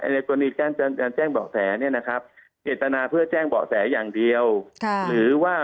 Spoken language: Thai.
ในกรณีการแจ้งเบาะแสเหตุนาเพื่อแจ้งเบาะแสอย่างเดียว